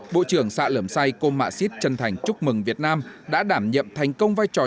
bộ trưởng sạ lẩm say cô mạ xít chân thành chúc mừng việt nam đã đảm nhiệm thành công vai trò